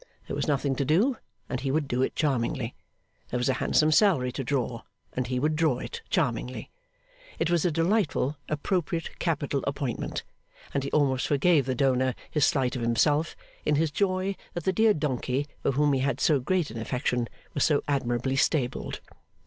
There was nothing to do, and he would do it charmingly; there was a handsome salary to draw, and he would draw it charmingly; it was a delightful, appropriate, capital appointment; and he almost forgave the donor his slight of himself, in his joy that the dear donkey for whom he had so great an affection was so admirably stabled.